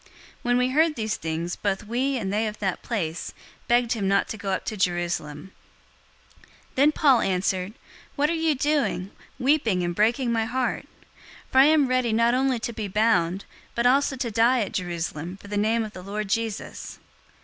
'" 021:012 When we heard these things, both we and they of that place begged him not to go up to Jerusalem. 021:013 Then Paul answered, "What are you doing, weeping and breaking my heart? For I am ready not only to be bound, but also to die at Jerusalem for the name of the Lord Jesus."